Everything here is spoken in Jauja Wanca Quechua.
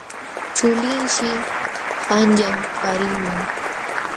Chulinshi qanyan paqarilqun.